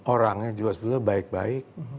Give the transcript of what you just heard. orangnya juga sebetulnya baik baik